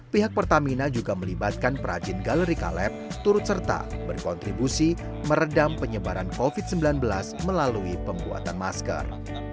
pihak pertamina juga melibatkan perajin galeri caleb turut serta berkontribusi meredam penyebaran covid sembilan belas melalui pembuatan masker